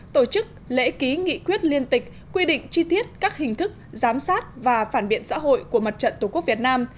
tổ chức lễ ký nghị quyết liên tịch quy định chi tiết các hình thức giám sát và phản biện xã hội của mặt trận tổ quốc việt nam